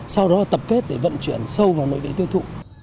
sau đó tập kết để vận chuyển sâu vào nội địa tiêu thụ